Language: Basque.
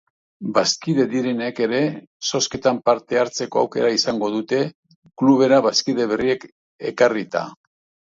Bazkide direnek ere zozketan parte hartzeko aukera izango dute klubera bazkide berriak ekarrita.